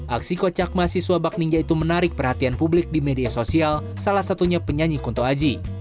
aksi kocak mahasiswa bak ningga itu menarik perhatian publik di media sosial salah satunya penyanyi kunto aji